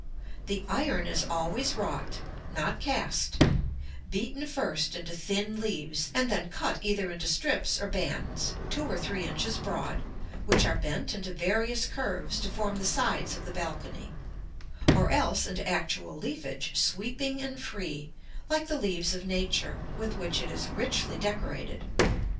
The iron is always wrought, not cast, beaten first into thin leaves, and then cut either into strips or bands, two or three inches broad, which are bent into various curves to form the sides of the balcony, or else into actual leafage, sweeping and free, like the leaves of nature, with which it is richly decorated.